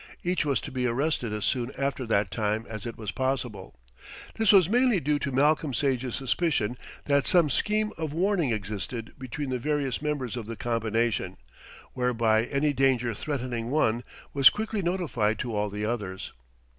Each was to be arrested as soon after that time as it was possible. This was mainly due to Malcolm Sage's suspicion that some scheme of warning existed between the various members of the combination, whereby any danger threatening one was quickly notified to all the others.